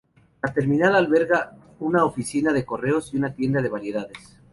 La terminal alberga una oficina de correos y una tienda de variedades.